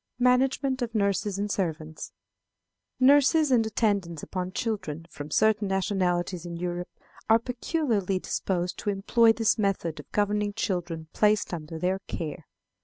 Management of Nurses and Servants. Nurses and attendants upon children from certain nationalities in Europe are peculiarly disposed to employ this method of governing children placed under their care.